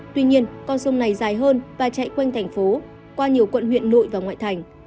tuy nhiên con sông này dài hơn và chạy quanh thành phố qua nhiều quận huyện nội và ngoại thành